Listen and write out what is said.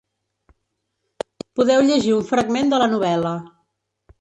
Podeu llegir un fragment de la novel·la.